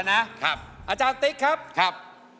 อาจารย์ติ๊กครับ